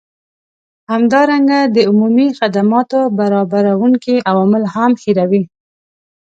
همدارنګه د عمومي خدماتو برابروونکي عوامل هم هیروي